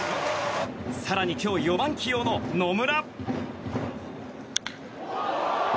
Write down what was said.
更に、今日４番起用の野村。